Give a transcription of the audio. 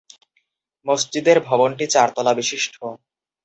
মসজিদের ভবনটি চারতলা বিশিষ্ট।